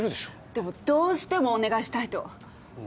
でもどうしてもお願いしたいと。